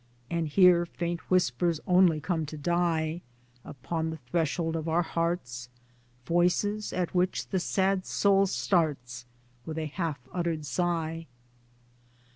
And here faint whispers only come to die Upon the threshold of our hearts, Voices at which the sad soul starts With a half uttered sigh.